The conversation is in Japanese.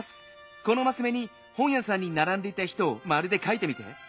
このマスめにほんやさんにならんでいた人をまるでかいてみて。